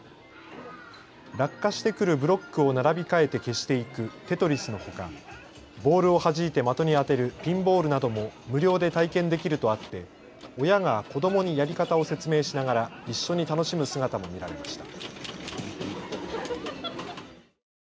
落下してくるブロックを並び替えて消していくテトリスのほかボールをはじいて的に当てるピンボールなども無料で体験できるとあって親が子どもにやり方を説明しながら一緒に楽しむ姿も見られました。